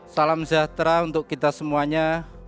salam sejahtera untuk kita semuanya